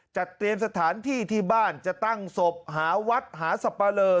จัดเตรียมสถานที่ที่บ้านจะตั้งศพหาวัดหาสับปะเลอ